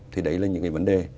thì đấy là những cái vấn đề